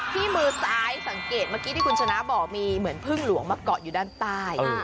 มือซ้ายสังเกตเมื่อกี้ที่คุณชนะบอกมีเหมือนพึ่งหลวงมาเกาะอยู่ด้านใต้